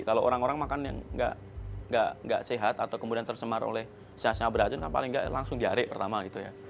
kalau orang orang makan yang gak sehat atau kemudian tercemar oleh sinar sinar beracun kan paling gak langsung diare pertama gitu